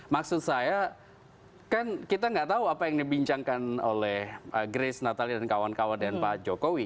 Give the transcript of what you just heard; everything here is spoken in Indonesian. maksud saya kan kita nggak tahu apa yang dibincangkan oleh grace natalia dan kawan kawan dengan pak jokowi